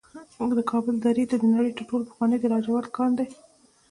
د کابل درې د نړۍ تر ټولو پخوانی د لاجورد کان دی